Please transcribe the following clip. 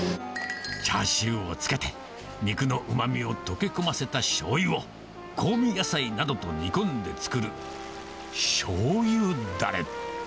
チャーシューをつけて、肉のうまみを溶け込ませたしょうゆを、香味野菜などと煮込んで作るしょうゆだれ。